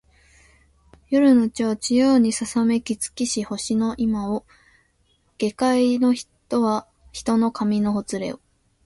夜の帳ちやうにささめき尽きし星の今を下界げかいの人の髪のほつれよ